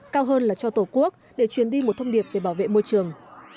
cao hơn là cho tổ quốc để truyền đi một thông điệp về bảo vệ môi trường